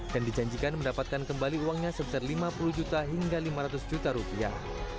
dan dijanjikan mendapatkan kembali uangnya sebesar lima puluh juta hingga lima ratus juta rupiah